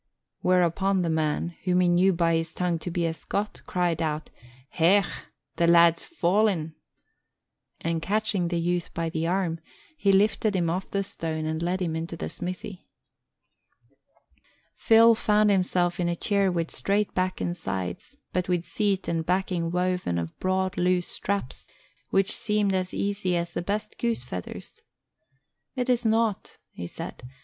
Whereupon the man, whom he knew by his tongue to be a Scot, cried out, "Hech! The lad's falling!" And catching the youth by the arm, he lifted him off the stone and led him into the smithy. Phil found himself in a chair with straight back and sides, but with seat and backing woven of broad, loose straps, which seemed as easy as the best goose feathers. "It is nought," he said.